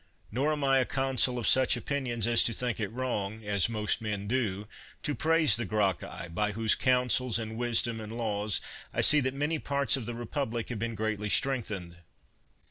Nor am I a consul of such opinions as to think it wrong, as most men do, to praise the Gracchi, by whose counsels, and wisdom, and laws, I see that many 73 THE WORLD'S FAMOUS ORATIONS parts of the republic have been greatly strength ened.